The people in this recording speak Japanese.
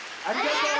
ありがとう！